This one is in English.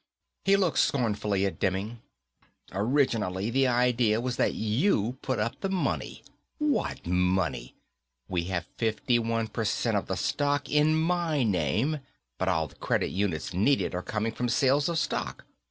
He looked scornfully at Demming. "Originally, the idea was that you put up the money. What money? We have fifty one percent of the stock in my name, but all the credit units needed are coming from sales of stock."